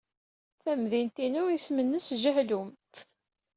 Tamdint-inu isem-nnes Jhelum.